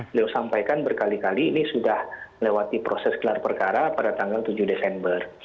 beliau sampaikan berkali kali ini sudah melewati proses gelar perkara pada tanggal tujuh desember